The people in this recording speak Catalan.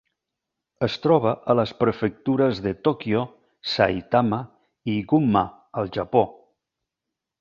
Es troba a les prefectures de Tòquio, Saitama i Gunma al Japó.